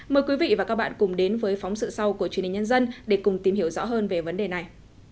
mời quý vị và các bạn cùng đến với phóng sự sau của truyền hình nhân dân để cùng tìm hiểu rõ hơn về vấn đề này